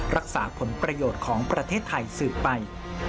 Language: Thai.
รักษาผลประโยชน์ของประเทศไทยสืบไป